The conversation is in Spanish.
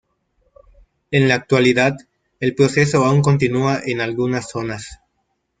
En la actualidad, el proceso aún continúa en algunas zonas.